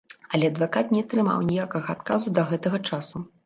Але адвакат не атрымаў ніякага адказу да гэтага часу.